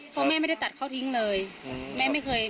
เพราะแม่ไม่ได้ตัดเขาทิ้งเลย